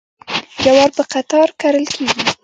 جوار په قطار کرل کیږي.